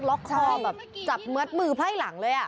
ล็อกคอแบบจับเมิดมือไพ่หลังเลย